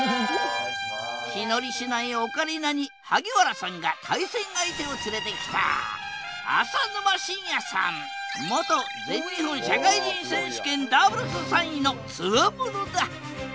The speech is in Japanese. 気乗りしないオカリナに萩原さんが対戦相手を連れてきた元全日本社会人選手権ダブルス３位のツワモノだ！